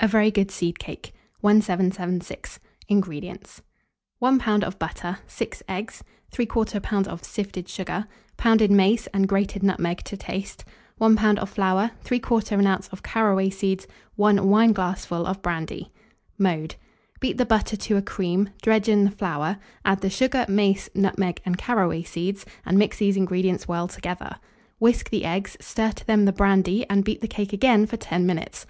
A VERY GOOD SEED CAKE. 1776. INGREDIENTS. 1 lb. of butter, 6 eggs, 3/4 lb. of sifted sugar, pounded mace and grated nutmeg to taste, 1 lb. of flour, 3/4 oz. of caraway seeds, 1 wineglassful of brandy. Mode. Beat the butter to a cream; dredge in the flour; add the sugar, mace, nutmeg, and caraway seeds, and mix these ingredients well together. Whisk the eggs, stir to them the brandy, and beat the cake again for 10 minutes.